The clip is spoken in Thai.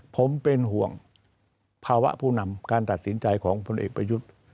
ผมเป็นห่วงภาวะผู้นำการตัดสินใจของพลเอกประยุทธ์